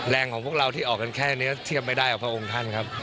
ของพวกเราที่ออกกันแค่นี้เทียบไม่ได้กับพระองค์ท่านครับ